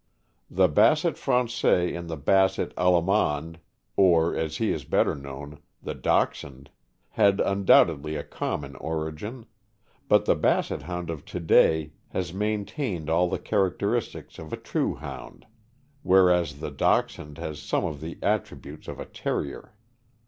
The Basset Frangais and the Basset Allemand, or, as he is better known, the Dachshund, had undoubtedly a com mon origin; but the Basset Hound of to day has main tained all the characteristics of a true Hound, whereas the Dachshund has some of the attributes of a Terrier.